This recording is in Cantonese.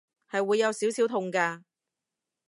係會有少少痛㗎